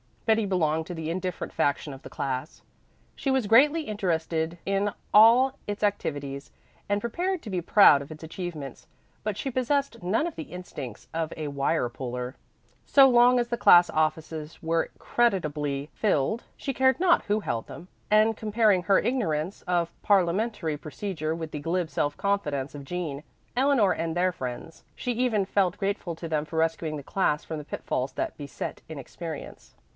Betty belonged to the indifferent faction of the class. She was greatly interested in all its activities, and prepared to be proud of its achievements, but she possessed none of the instincts of a wire puller. So long as the class offices were creditably filled she cared not who held them, and comparing her ignorance of parliamentary procedure with the glib self confidence of Jean, Eleanor and their friends, she even felt grateful to them for rescuing the class from the pitfalls that beset inexperience.